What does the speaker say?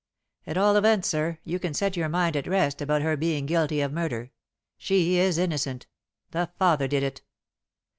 At all events, sir, you can set your mind at rest about her being guilty of murder. She is innocent. The father did it."